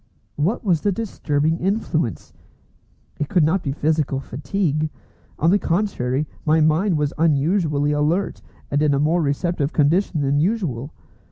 What was the disturbing influence? It could not be physical fatigue. On the contrary, my mind was unusually alert, and in a more receptive condition than usual.